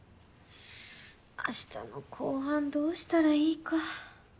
明日の公判どうしたらいいか。